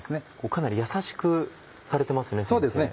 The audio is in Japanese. かなりやさしくされてますね。